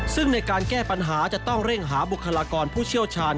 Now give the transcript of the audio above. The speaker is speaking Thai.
ซึ่งในการแก้ปัญหาจะต้องเร่งหาบุคลากรผู้เชี่ยวชาญ